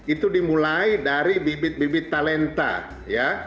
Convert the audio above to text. itu dimulai dari bibit bibit talenta ya